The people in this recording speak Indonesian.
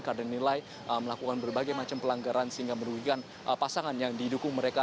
karena nilai melakukan berbagai macam pelanggaran sehingga merugikan pasangan yang didukung mereka